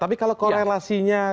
tapi kalau korelasinya